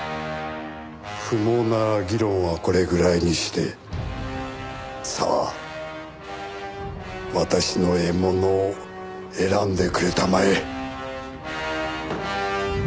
不毛な議論はこれぐらいにしてさあ私の獲物を選んでくれたまえ。